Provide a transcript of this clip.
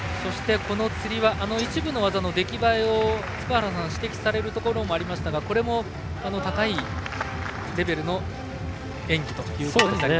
つり輪で一部の技の出来栄えを塚原さんは指摘されるところもありましたがこれも、高いレベルの演技となりましたね。